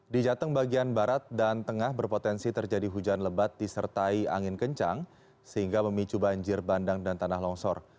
di jateng bagian barat dan tengah berpotensi terjadi hujan lebat disertai angin kencang sehingga memicu banjir bandang dan tanah longsor